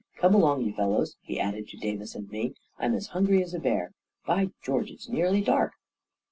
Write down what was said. " Come along, you fellows," he added to Davis and me. " I'm as hungry as a bear ! By George, it's nearly dark